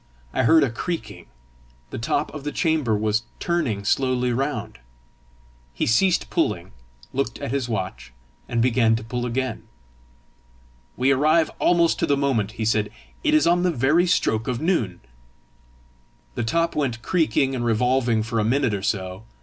I heard a creaking: the top of the chamber was turning slowly round. He ceased pulling, looked at his watch, and began to pull again. "We arrive almost to the moment!" he said; "it is on the very stroke of noon!" The top went creaking and revolving for a minute or so.